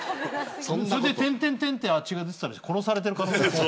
それで点点点って血が出てたら殺されてる可能性ある。